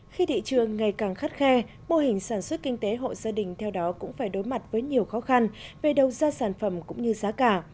khi thị trường ngày càng khắt khe mô hình sản xuất kinh tế hộ gia đình theo đó cũng phải đối mặt với nhiều khó khăn về đầu ra sản phẩm cũng như giá cả